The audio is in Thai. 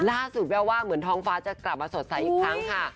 แววว่าเหมือนท้องฟ้าจะกลับมาสดใสอีกครั้งค่ะ